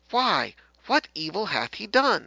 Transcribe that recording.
Why, what evil hath he done?